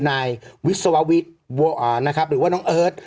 นายวิศววิทย์นะครับหรือว่าน้องเอิร์ท